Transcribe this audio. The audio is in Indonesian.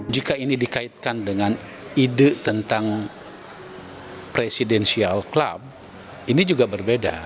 jika ini dikaitkan dengan ide tentang presidensial club ini juga berbeda